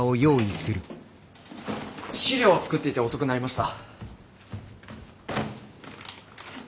資料を作っていて遅くなりました。